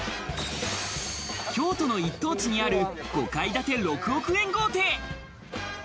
京都の一等地にある５階建て６億円豪邸。